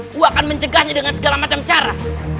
aku akan mencegahnya dengan segala macam cara